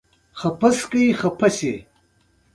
د ټيټکي حوصله تنګه شوه.